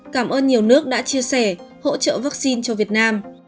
cảm ơn nhiều nước đã chia sẻ hỗ trợ vaccine cho việt nam